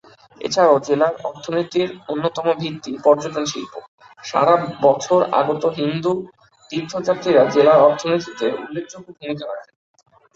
এছাড়াও জেলার অর্থনীতির অন্যতম ভিত্তি পর্যটন শিল্প, সারা বছর আগত হিন্দু তীর্থযাত্রীরা জেলার অর্থনীতিতে উল্লেখযোগ্য ভূমিকা রাখেন।